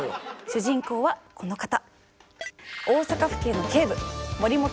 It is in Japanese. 主人公はこの方。